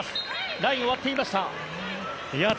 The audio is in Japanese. ラインを割っていました。